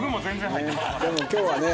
でも今日はね